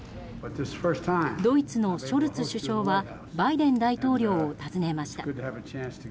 ドイツのショルツ首相はバイデン大統領を訪ねました。